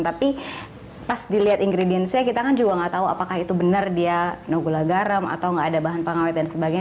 tapi pas dilihat ingredients nya kita kan juga nggak tahu apakah itu benar dia nogula garam atau nggak ada bahan pengawet dan sebagainya